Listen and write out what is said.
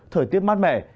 thời tiết mát mẻ